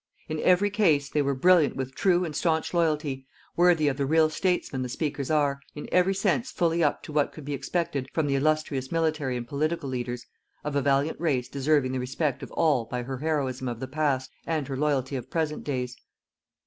In every case, they were brilliant with true and staunch loyalty, worthy of the real statesmen the speakers are, in every sense fully up to what could be expected from the illustrious military and political leaders of a valiant race deserving the respect of all by her heroism of the past and her loyalty of present days.